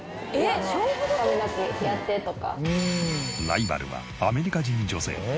ライバルはアメリカ人女性。